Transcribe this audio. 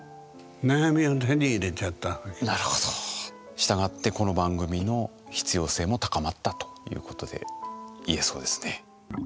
したがってこの番組の必要性も高まったということで言えそうですね。